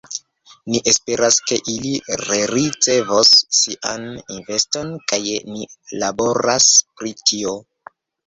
Ni esperas, ke ili rericevos sian investon kaj ni laboras pri tio.